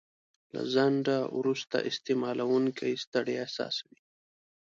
له ځنډه وروسته استعمالوونکی ستړیا احساسوي.